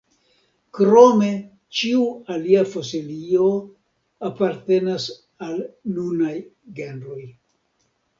Krome ĉiu alia fosilio apartenas al nunaj genroj.